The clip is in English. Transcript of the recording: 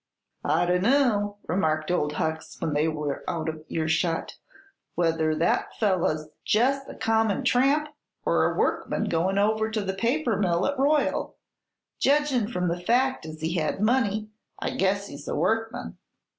"I dunno," remarked old Hucks, when they were out of earshot, "whether that feller's jest a common tramp or a workman goin' over to the paper mill at Royal. Jedgin' from the fact as he had money I guess he's a workman."